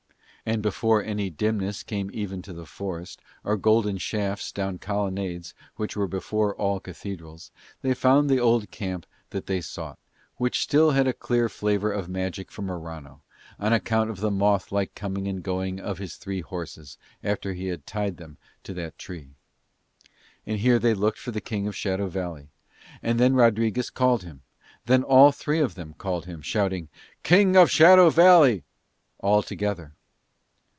And before any dimness came even to the forest, or golden shafts down colonnades which were before all cathedrals, they found the old camp that they sought, which still had a clear flavour of magic for Morano on account of the moth like coming and going of his three horses after he had tied them to that tree. And here they looked for the King of Shadow Valley; and then Rodriguez called him; and then all three of them called him, shouting "King of Shadow Valley" all together.